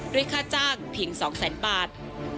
ด้วยค่าจ้างเพียง๒๐๐๐๐๐บาท